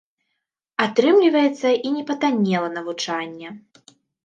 Атрымліваецца і не патаннела навучанне.